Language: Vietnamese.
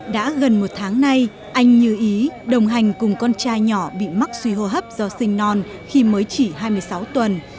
đã gần một tháng nay anh như ý đồng hành cùng con trai nhỏ bị mắc suy hô hấp do sinh non khi mới chỉ hai mươi sáu tuần